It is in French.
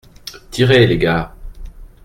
Tirez, les gars !